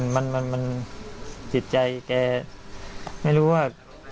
มันมันมันติดใจแกไม่รู้ว่า